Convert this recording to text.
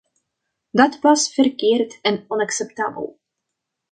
Dat was verkeerd en onacceptabel.